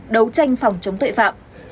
đấu tranh phòng chống tội phạm